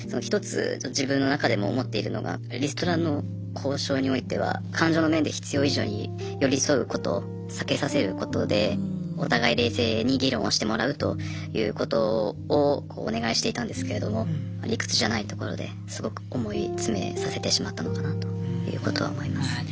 １つ自分の中でも思っているのがリストラの交渉においては感情の面で必要以上に寄り添うことを避けさせることでお互い冷静に議論をしてもらうということをお願いしていたんですけれども理屈じゃないところですごく思い詰めさせてしまったのかなということは思います。